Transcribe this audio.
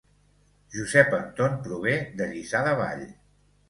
Josep Anton prové de Lliçà de Vall